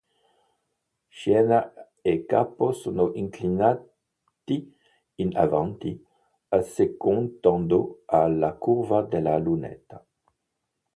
Schiena e capo sono inclinati in avanti, assecondando la curva della lunetta.